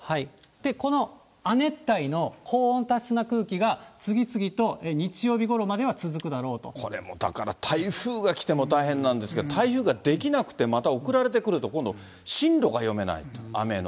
この亜熱帯の高温多湿な空気が、次々と日曜日ごろまでは続くこれもだから、台風が来ても大変なんですけど、台風が出来なくてまた送られてくると、今度、進路が読めない、雨の。